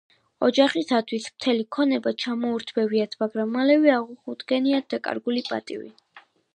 ოჯახისათვის მთელი ქონება ჩამოურთმევიათ, მაგრამ მალევე აღუდგენიათ დაკარგული პატივი.